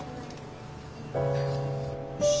よし。